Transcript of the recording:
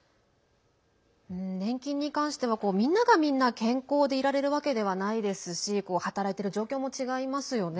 年金に関してはみんながみんな健康でいられるわけではないですし働いてる状況も違いますよね。